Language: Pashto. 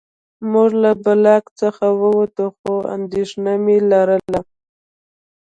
موږ له بلاک څخه ووتو خو اندېښنه مې لرله